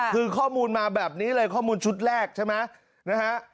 คือข้อมูลมาแบบนี้เลยข้อมูลชุดแรกใช่ไหมนะฮะ